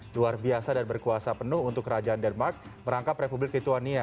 luar biasa dan berkuasa penuh untuk kerajaan denmark merangkap republik ketua nia